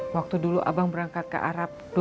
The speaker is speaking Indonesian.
waktu dulu abang berangkat ke arab